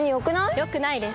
よくないです。